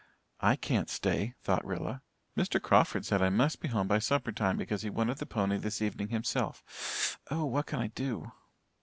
"I can't stay," thought Rilla. "Mr. Crawford said I must be home by supper time because he wanted the pony this evening himself. Oh, what can I do?"